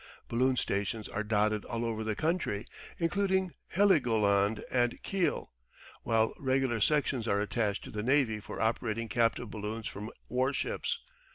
Balloon stations are dotted all over the country, including Heligoland and Kiel, while regular sections are attached to the Navy for operating captive balloons from warships.